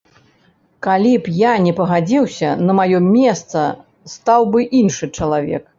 Калі б я не пагадзіўся, на маё месца стаў бы іншы чалавек.